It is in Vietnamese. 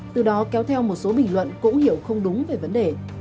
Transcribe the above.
từ đó kéo theo một số bình luận cũng hiểu không đúng về vấn đề